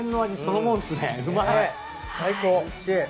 最高！